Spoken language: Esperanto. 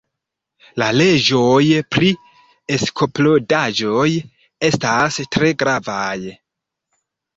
La leĝoj pri eksplodaĵoj estas tre gravaj.